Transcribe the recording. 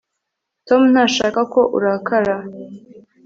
tom ntashaka ko urakara